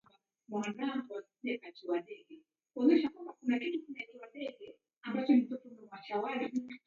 Nderetumbulieghe ilagho jingi onyama chuku chi.